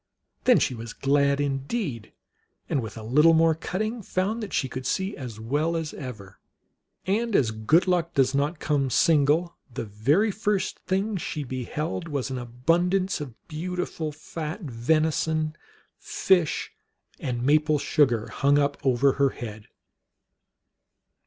Then she was glad indeed, and with a little more cutting found that she could see as well as ever. And as good luck does not come single, the very first thing she beheld was an abundance of beau tiful fat venison, fish, and maple sugar hung up over head.